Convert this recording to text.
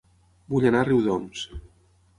Vull anar a Riudoms